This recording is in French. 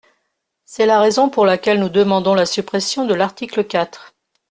C’est la raison pour laquelle nous demandons la suppression de l’article quatre.